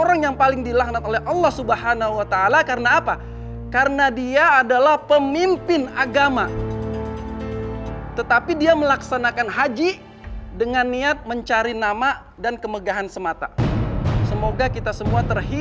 assalamualaikum warahmatullahi wabarakatuh